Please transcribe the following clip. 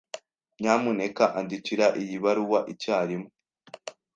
Nyamuneka andikira iyi baruwa icyarimwe.